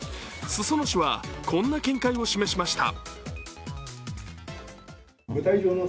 裾野市はこんな見解を示しました。